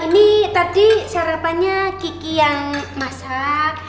ini tadi sarapannya gigi yang masak